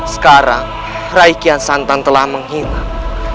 sekarang raikian santang telah menghilang